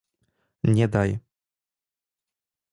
Nie daj.